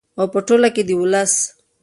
او په ټوله کې د ولس